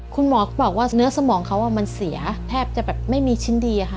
คุณหมอก็บอกว่าเนื้อสมองเขามันเสียแทบจะแบบไม่มีชิ้นดีค่ะ